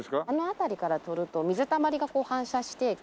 あの辺りから撮ると水たまりがこう反射して。